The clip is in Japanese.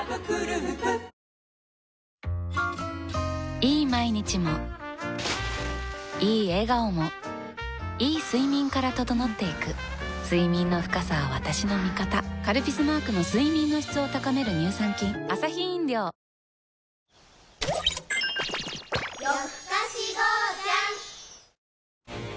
いい毎日もいい笑顔もいい睡眠から整っていく睡眠の深さは私の味方「カルピス」マークの睡眠の質を高める乳酸菌「和紅茶」が無糖なのは、理由があるんよ。